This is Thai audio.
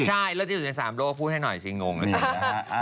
ใช่เลิศที่สุดใน๓โลกพูดให้หน่อยฉันงงนะครับ